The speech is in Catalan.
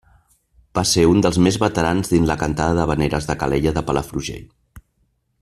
Va ser un dels més veterans dins la cantada d'havaneres de Calella de Palafrugell.